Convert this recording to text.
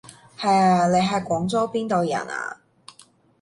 係啊，你係廣州邊度人啊？